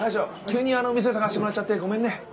急にお店探してもらっちゃってごめんね。